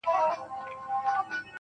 • يا الله تې راته ژوندۍ ولره.